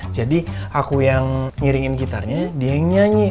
jadi aku yang ngiringin gitarnya dia yang nyanyi